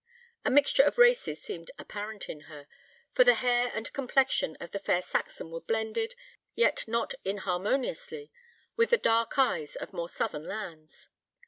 A mixture of races seemed apparent in her; for the hair and complexion of the fair Saxon were blended, yet not inharmoniously, with the dark eyes of more southern lands.